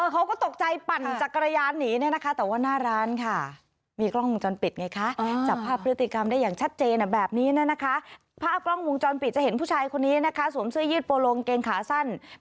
เขาก็ตกใจปั่นจักรยานหนีแนนนะคะ